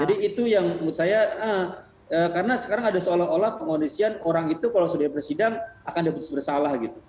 jadi itu yang menurut saya karena sekarang ada seolah olah pengkondisian orang itu kalau sudah bersidang akan diputus bersalah gitu